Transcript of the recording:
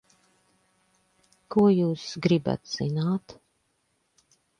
Ko jūs gribat zināt?